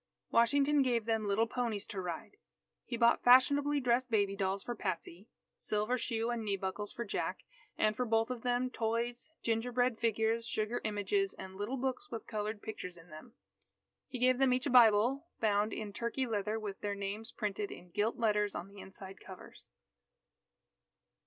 Washington gave them little ponies to ride. He bought fashionably dressed baby dolls for Patsy, silver shoe and knee buckles for Jack, and for both of them toys, gingerbread figures, sugar images, and little books with coloured pictures in them. He gave them each a Bible bound in turkey leather with their names printed in gilt letters on the inside covers.